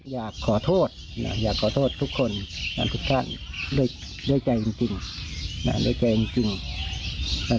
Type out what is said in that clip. อยากขอโทษนะอยากขอโทษทุกคนทุกท่านด้วยด้วยใจจริงด้วยใจจริงนะ